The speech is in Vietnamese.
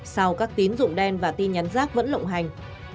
sao các tín dụng đen và tin nhắn giác vẫn lộng hành